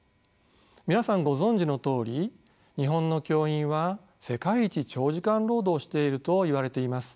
皆さんご存じのとおり日本の教員は世界一長時間労働しているといわれています。